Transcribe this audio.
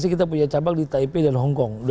kita punya cabang di taipei dan hongkong